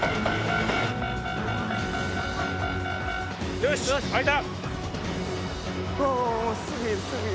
よし開いた！